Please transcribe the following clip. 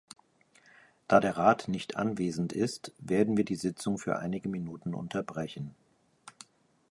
Da der Rat nicht anwesend ist, werden wir die Sitzung für einige Minuten unterbrechen.